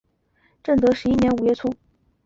正德十一年五月卒。